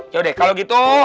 yaudah kalau gitu